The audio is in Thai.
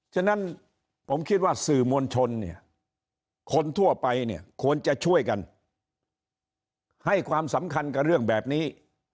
ฉะนั้นผมคิดว่าสื่อมวลชนเนี่ยคนทั่วไปเนี่ยควรจะช่วยกันให้ความสำคัญกับเรื่องแบบนี้